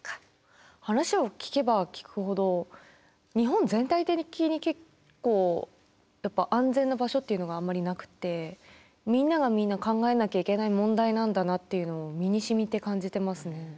話を聞けば聞くほど日本全体的に結構やっぱ安全な場所っていうのがあんまりなくてみんながみんな考えなきゃいけない問題なんだなっていうのを身にしみて感じてますね。